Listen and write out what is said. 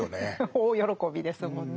大喜びですもんね。